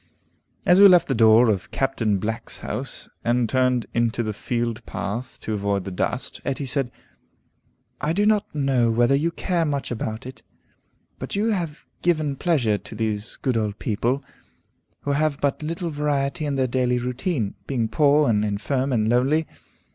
As we left the door of Captain Black's house, and turned into the field path to avoid the dust, Etty said, "I do not know whether you care much about it, but you have given pleasure to these good old people, who have but little variety in their daily routine, being poor, and infirm, and lonely.